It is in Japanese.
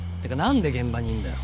んで現場にいるんだよ。